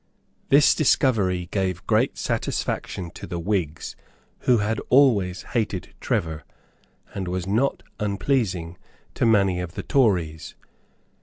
This discovery gave great satisfaction to the Whigs, who had always hated Trevor, and was not unpleasing to many of the Tories.